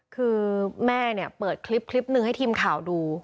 คือแม่เนี่ยเปิดคลิปหนึ่งให้ทีมข่าวดู